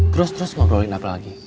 terus terus ngobrolin apa lagi